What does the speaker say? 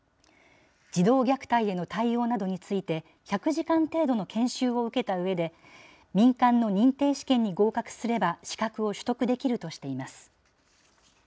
児童虐待への対応などについて、１００時間程度の研修を受けたうえで、民間の認定試験に合格すれば資格を取得できるとしています。